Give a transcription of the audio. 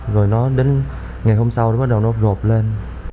rồi nó đến ngày hôm sau thì bắt đầu nó rộp lên